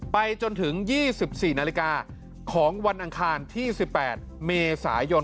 ไปจนถึง๒๔นาฬิกาของวันอังคารที่๑๘เมษายน